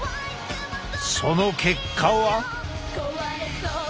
その結果は。